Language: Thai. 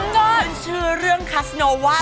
คุณชื่อเรื่องคาสนูว่า